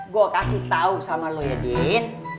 gue kasih tau sama lo ya din